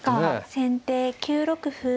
先手９六歩。